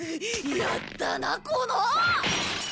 やったなこの！